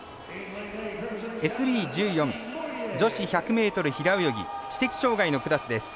ＳＢ１４女子１００ｍ平泳ぎ知的障がいのクラスです。